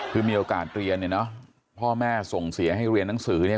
คือมีโอกาสเรียนเนี่ยเนอะพ่อแม่ส่งเสียให้เรียนหนังสือเนี่ย